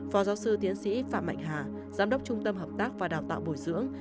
phó giáo sư tiến sĩ phạm mạnh hà giám đốc trung tâm hợp tác và đào tạo bồi dưỡng